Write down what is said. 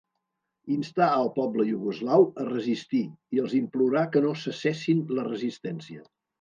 Instà al poble iugoslau a resistir i els implorà que no cessessin la resistència.